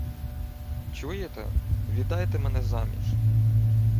— Чуєте, віддайте мене заміж.